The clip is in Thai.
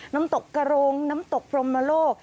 น้ำตกกระโรงน้ำตกพรมโลก